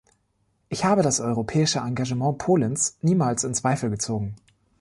Ich habe das europäische Engagement Polens niemals in Zweifel gezogen.